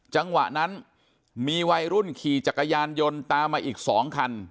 จังหวะนั้นมีวัยรุ่นขี่จักรยานยนต์ตามมาอีก๒คัน